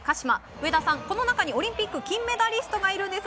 上田さん、この中にオリンピック金メダリストがいるんです。